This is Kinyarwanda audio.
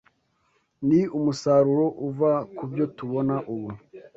Ni umusaruro uva ku byo tubona ubu